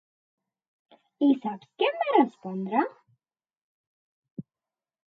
I sap què em va respondre?